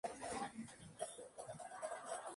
Gunter fue encontrado con una herida de bala en la frente.